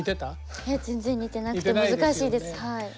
いえ全然似てなくて難しいですはい。